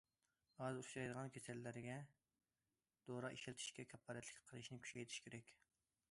ئاز ئۇچرايدىغان كېسەللىكلەرگە دورا ئىشلىتىشكە كاپالەتلىك قىلىشنى كۈچەيتىش كېرەك.